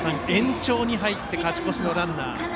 延長に入って勝ち越しのランナー。